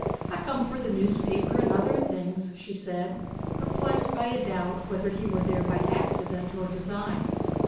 'I come for the newspaper and other things,' she said, perplexed by a doubt whether he were there by accident or design.